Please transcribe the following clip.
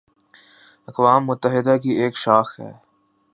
اقوام متحدہ کی ایک شاخ ہے